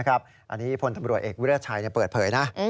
อันนี้พลตำรวจเอกวิรัชชัยเปิดเผยนะ